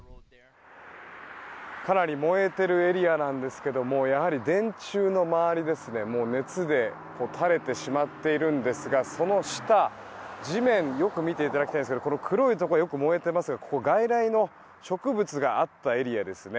かなり燃えているエリアなんですけどやはり電柱の周り、もう熱で垂れてしまっているんですがその下、地面をよく見ていただきたいんですがこの黒いところよく燃えていますがここ、外来の植物があったエリアですね。